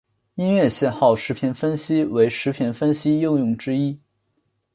音乐信号时频分析为时频分析应用之一。